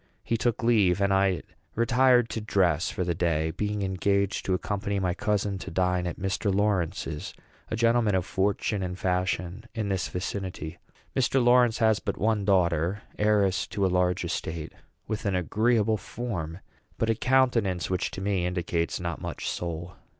He took leave, and I retired to dress for the day, being engaged to accompany my cousin to dine at Mr. Lawrence's a gentleman of fortune and fashion in this vicinity. Mr. Lawrence has but one daughter, heiress to a large estate, with an agreeable form, but a countenance which, to me, indicates not much soul.